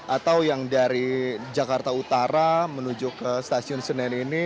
atau yang dari jakarta utara menuju ke stasiun senen ini